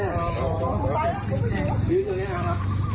จัดให้หน่อยว่ะ